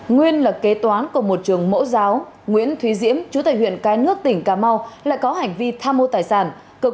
nguyên là kế toán của một trường mẫu giáo nguyễn thúy diễm chủ tịch huyện cai nước tỉnh cà mau lại có hành vi tham mô tài sản